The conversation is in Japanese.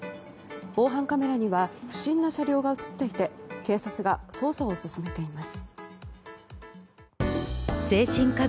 防犯カメラには不審な車両が映っていて警察が捜査を進めています。